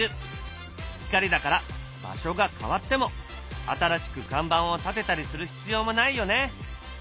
光だから場所が変わっても新しく看板をたてたりする必要もないよね。